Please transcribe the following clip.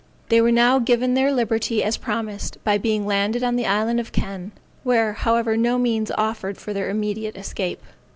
They were now given their liberty as promised, by being landed on the island of Kenn, where, however, no means offered for their immediate escape.